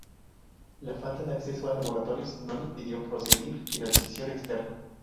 La falta de acceso a laboratorios no le impidió proseguir financiación externa.